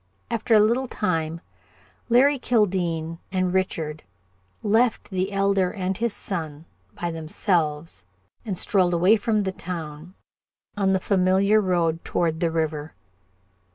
After a little time, Larry Kildene and Richard left the Elder and his son by themselves and strolled away from the town on the familiar road toward the river.